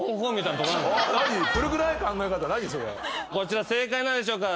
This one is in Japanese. こちら正解なんでしょうか？